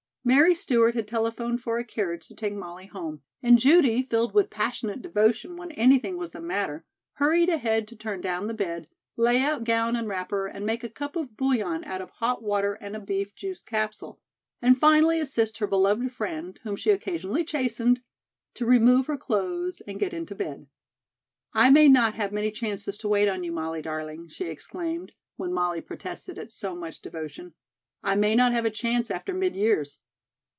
Mary Stewart had telephoned for a carriage to take Molly home, and Judy, filled with passionate devotion when anything was the matter, hurried ahead to turn down the bed, lay out gown and wrapper and make a cup of bouillon out of hot water and a beef juice capsule; and finally assist her beloved friend whom she occasionally chastened to remove her clothes and get into bed. "I may not have many chances to wait on you, Molly, darling," she exclaimed, when Molly protested at so much devotion. "I may not have a chance after mid years."